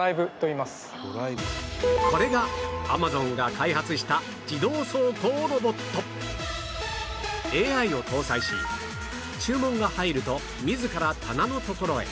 これが Ａｍａｚｏｎ が開発した自動走行ロボットＡＩ を搭載し注文が入ると自ら棚のところへ